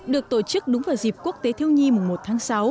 được tổ chức đúng vào dịp quốc tế thiêu nhi mùng một tháng sáu